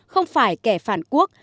không phải kẻ phản quốc